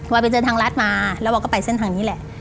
ไปเจอทางรัฐมาแล้วบอยก็ไปเส้นทางนี้แหละ